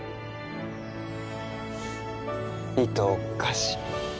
いとをかし。